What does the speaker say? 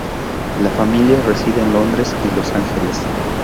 La familia reside en Londres y Los Ángeles.